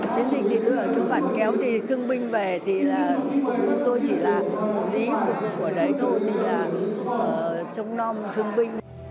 chuyến trình chỉ đưa ở chỗ phản kéo thì thương binh về thì là tôi chỉ là một lý của đấy thôi mình là trông non thương binh